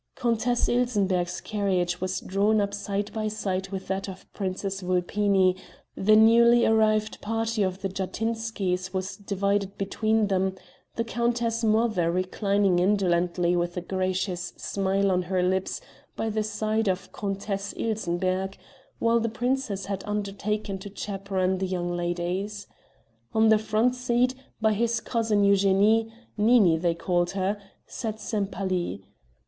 Countess Ilsenbergh's carriage was drawn up side by side with that of Princess Vulpini; the newly arrived party of the Jatinskys was divided between them; the countess mother reclining indolently with a gracious smile on her lips by the side of Countess Ilsenbergh, while the princess had undertaken to chaperon the young ladies. On the front seat, by his cousin Eugénie Nini they called her sat Sempaly.